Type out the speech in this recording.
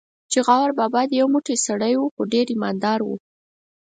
چې غور بابا دې یو موټی سړی و، خو ډېر ایمان دار و.